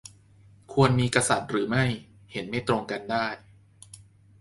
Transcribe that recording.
- ควรมีกษัตริย์หรือไม่ เห็นไม่ตรงกันได้